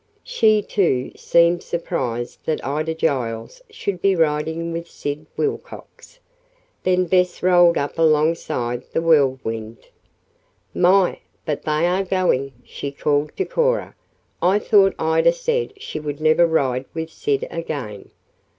She, too, seemed surprised that Ida Giles should be riding with Sid Wilcox. Then Bess rolled up alongside the Whirlwind. "My, but they are going!" she called to Cora. "I thought Ida said she would never ride with Sid again."